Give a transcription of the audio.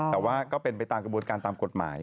แต่ว่าก็เป็นไปตามกระบวนการตามกฎหมาย